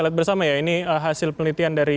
lihat bersama ya ini hasil penelitian dari